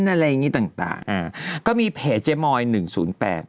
เหมือนกับเจมส์ศูนย์